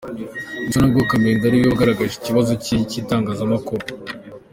Gusa n’ubwo Karimunda ariwe wagaragaje ikibazo cye mu itangazamakuru.